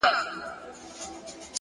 مثبت لید د خنډونو اندازه کوچنۍ کوي,